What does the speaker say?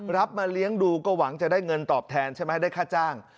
มาเลี้ยงดูก็หวังจะได้เงินตอบแทนใช่ไหมได้ค่าจ้าง